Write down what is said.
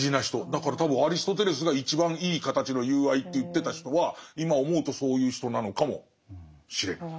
だから多分アリストテレスが一番いい形の友愛って言ってた人は今思うとそういう人なのかもしれない。